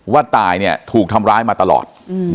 ว่าตายถูกทำร้ายมาตลอด